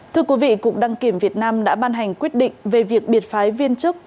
thưa quý vị cục đăng kiểm việt nam đã ban hành quyết định về việc biệt phái viên chức